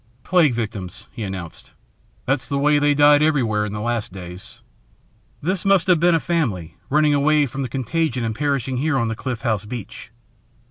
"Plague victims," he announced. "That's the way they died everywhere in the last days. This must have been a family, running away from the contagion and perishing here on the Cliff House beach.